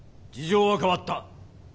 事情は変わった。